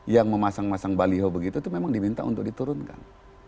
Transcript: yang memasang masang baliho begitu itu memang diminta untuk diturunkan